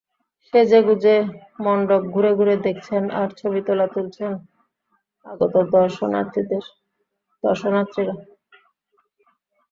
সেজেগুজে মণ্ডপ ঘুরে ঘুরে দেখছেন আর ছবি তোলা তুলছেন আগত দর্শনার্থীরা।